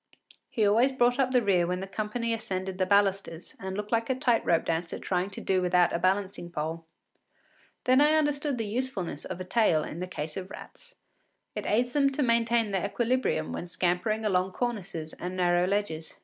He always brought up the rear when the company ascended the balusters, and looked like a tight rope dancer trying to do without a balancing pole. Then I understood the usefulness of a tail in the case of rats: it aids them to maintain their equilibrium when scampering along cornices and narrow ledges.